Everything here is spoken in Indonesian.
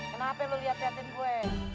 kenapa lu liat liatin gue